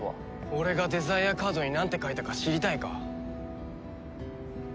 俺がデザイアカードになんて書いたか知りたいか？